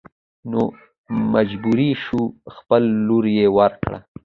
نو مجبور شو خپله لور يې ور کړه.